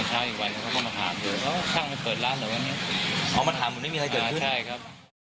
ใช่ครับ